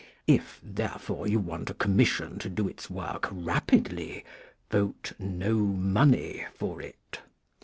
If, therefore, you want a Commission to do its work rapidly vote no money for it.